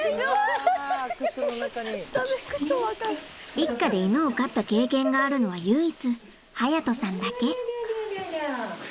一家で犬を飼った経験があるのは唯一隼人さんだけ。